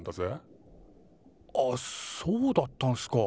あっそうだったんすか。